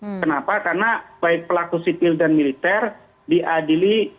sebenarnya kepentingan umum dari fiscal design pun diana tapi dipilih hasilnya